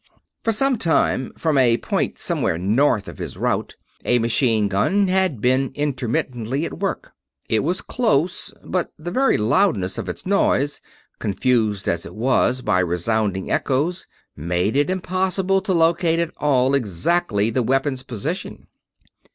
For some time, from a point somewhere north of his route, a machine gun had been intermittently at work. It was close; but the very loudness of its noise, confused as it was by resounding echoes, made it impossible to locate at all exactly the weapon's position.